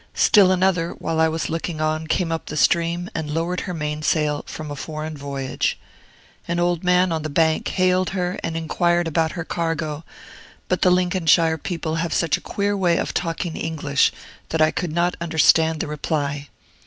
Still another, while I was looking on, came up the stream, and lowered her mainsail, from a foreign voyage. An old man on the bank hailed her and inquired about her cargo; but the Lincolnshire people have such a queer way of talking English that I could not understand the reply.